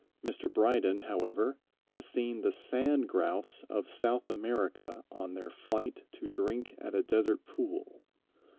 Mr. Bryden, however, has seen the Sand Grouse of South America on their flight to drink at a desert pool.